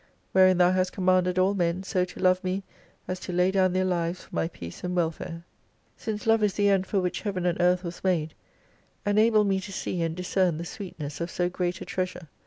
Wherein Thou hast commanded all men, so to love me, as to lay down their lives for my peace and welfare. Since Love is the end for which heaven and earth was made, enable me to see and discern the sweetness of so great a treasure.